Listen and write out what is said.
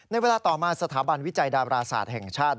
ในเวลาต่อมาสถาบันวิจัยดาบราศาสตร์แห่งชาติ